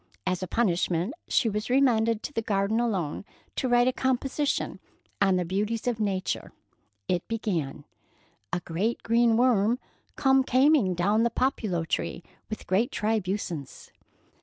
As a punishment, she was remanded to the garden alone to write a composition on the beauties of Nature. It began: A great green worm come cameing down the populo tree with great tribusence.